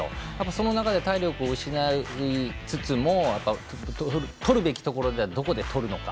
その中で体力を失いつつもやっぱり取るべきところでどこで取るのか。